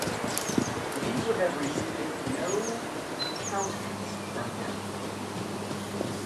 These would have received no countenance from him.